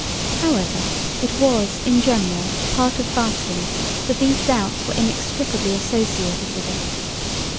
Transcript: However, it was, in general, part of fasting that these doubts were inextricably associated with it.